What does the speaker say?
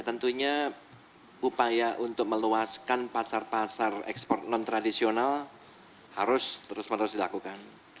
tentunya upaya untuk meluaskan pasar pasar ekspor non tradisional harus terus menerus dilakukan